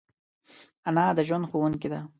انا د ژوند ښوونکی ده